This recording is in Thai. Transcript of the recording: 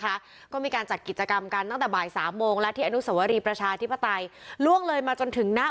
นะคะก็มีการจัดกิจกรรมกันตั้งแต่บ่ายสามโมงและที่อนุสวรีประชาธิปไตยล่วงเลยมาจนถึงหน้า